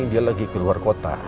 dia lagi keluar kota